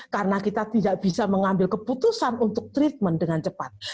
karena kita tidak bisa mengambil keputusan untuk treatment dengan cepat